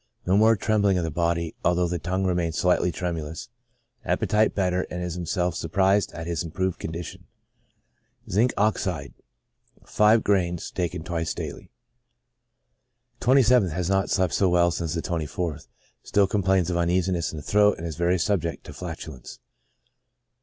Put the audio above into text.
No more trembling of the body, although the tongue remains slightly tremulous ; appetite better, and is himself surprised at his improved condition. Zinc. Ox., gr.v, bis die. 27th. — Has not slept so well since the 24th. Still com plains of uneasiness in the throat, and is very subject to flatulence.